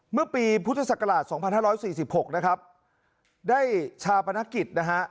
เมื่อปีพุทธศักราช๒๕๔๖นะครับได้ชาปนกิจนะฮะ